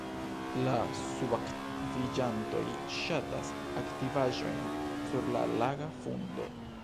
La subakviĝantoj ŝatas aktivaĵojn sur la laga fundo.